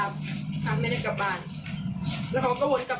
เพราะว่าคนที่ใจร้อน